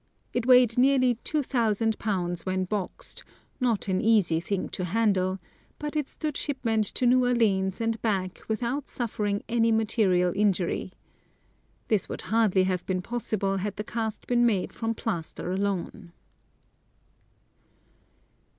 It weighed nearly 2,000 pounds when boxed — not an easy thing to handle — but it stood shipment to New Orleans and back without suffering any material injury. This would hardly have been possible had the cast been made from plaster alone.